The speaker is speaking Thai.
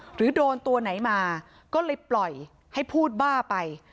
หรือโดนตัวไหนมาก็เลยปล่อยให้พูดบ้าไป